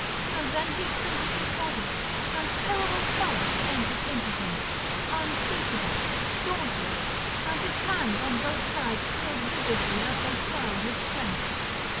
And then he sprinkled his body, and terrible prowess entered into him, unspeakable, dauntless; and his hands on both sides thrilled vigorously as they swelled with strength.